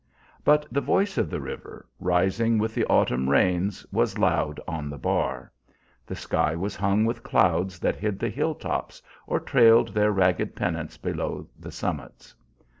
But the voice of the river, rising with the autumn rains, was loud on the bar; the sky was hung with clouds that hid the hilltops or trailed their ragged pennants below the summits.